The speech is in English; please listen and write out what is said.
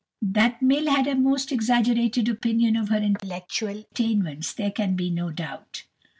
That Mill had a most exaggerated opinion of her intellectual attainments there can be no doubt.